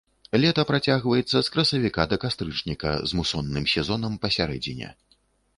Лета працягваецца з красавіка да кастрычніка, з мусонным сезонам пасярэдзіне.